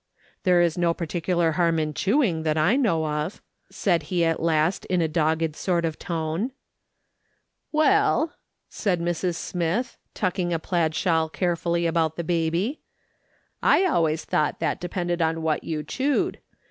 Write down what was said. "There's no particular harm in chewing that I know of," said he at last in a dogged sort of tone. " Well," said Mrs. Smith, tucking the plaid shawl carefully about the baby, " I always thought that depended on what you chewed.